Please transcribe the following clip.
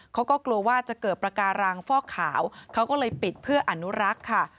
เขาก็กลัวว่าจะเกิดประการังฟอกขาวเขาก็เลยปิดเพื่ออนุรักษ์ค่ะ